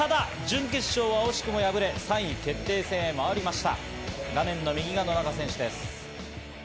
ただ、準決勝は惜しくも敗れ、３位決定戦へ回りました。